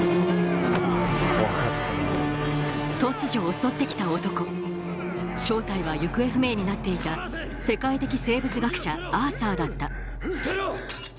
突如襲ってきた男正体は行方不明になっていた世界的生物学者アーサーだった捨てろ！